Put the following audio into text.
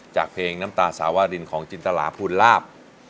จากเพลงน้ำตาสาวรินของจินตราภูลาภ